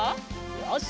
よし！